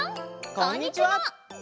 こんにちは！